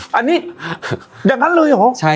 หาหนี่ยังนั้นเลยเหรอ